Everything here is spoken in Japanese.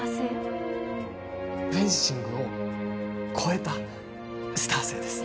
フェンシングを超えたスター性です